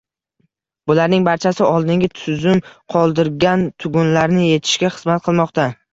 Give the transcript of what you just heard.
Bularning barchasi oldingi tuzum qoldirgan tugunlarni yechishga xizmat qilmoqda.